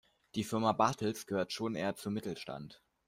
Die Firma Bartels gehört schon eher zum Mittelstand.